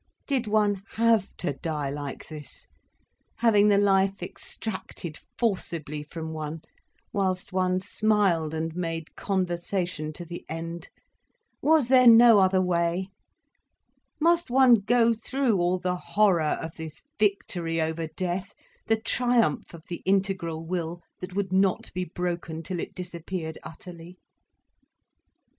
Did one have to die like this—having the life extracted forcibly from one, whilst one smiled and made conversation to the end? Was there no other way? Must one go through all the horror of this victory over death, the triumph of the integral will, that would not be broken till it disappeared utterly?